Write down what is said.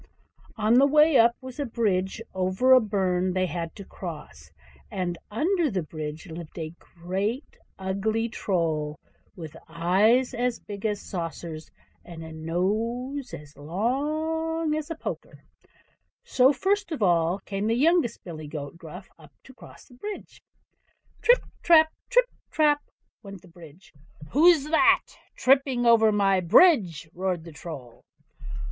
On the way up was a bridge over a burn they had to cross; and under the bridge lived a great ugly Troll, with eyes as big as saucers, and a nose as long as a poker. So first of all came the youngest billy goat Gruff to cross the bridge. "Trip, trap; trip, trap!" went the bridge. "WHO'S THAT tripping over my bridge?" roared the Troll.